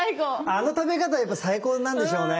あの食べ方やっぱ最高なんでしょうね。